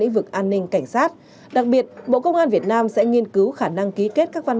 lĩnh vực an ninh cảnh sát đặc biệt bộ công an việt nam sẽ nghiên cứu khả năng ký kết các văn